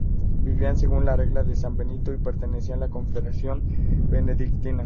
Viven según la "Regla de San Benito" y pertenecen a la Confederación Benedictina.